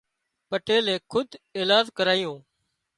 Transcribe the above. پٽيلي کوۮ ايلاز ڪرايو